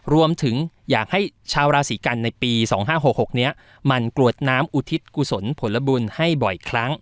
รวมถึงอยากให้ชาวราศีกันในปี๒๕๖๖นี้มันกรวดน้ำอุทิศกุศลผลบุญให้บ่อยครั้ง